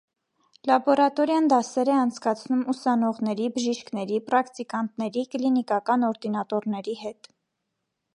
Լաբորատորիան դասեր է անցկացնում ուսանողների, բժիշկների, պրակտիկանտների, կլինիկական օրդինատորների հետ։